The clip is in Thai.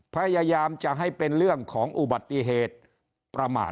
พยายามจะให้เป็นเรื่องของอุบัติเหตุประมาท